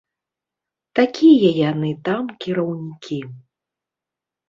Такія яны там кіраўнікі!